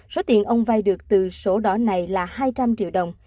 sổ tiền ông vay được từ sổ đỏ này là hai trăm linh triệu đồng